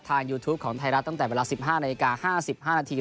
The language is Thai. ยูทูปของไทยรัฐตั้งแต่เวลา๑๕นาฬิกา๕๕นาที